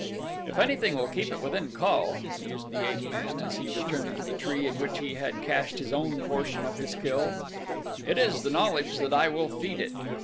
"If anything will keep it within call," mused the ape man as he returned to the tree in which he had cached his own portion of his kill, "it is the knowledge that I will feed it."